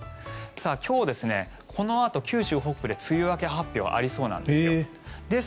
今日、このあと九州北部で梅雨明け発表ありそうなんです。